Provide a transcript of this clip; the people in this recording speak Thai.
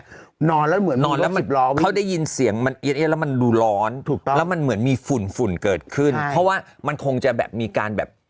นอนนอนเล่นมันมีคล้องเค้าได้ยินเสียงมันเอี๊ยดแล้วมันดูร้อนแล้วมันเหมือนมีฝุ่นเกิดขึ้นเพราะว่ามันคงจะแบบมีการแบบ